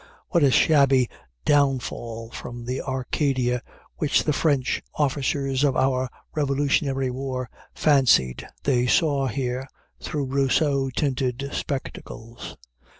What a shabby downfall from the Arcadia which the French officers of our Revolutionary War fancied they saw here through Rousseau tinted spectacles!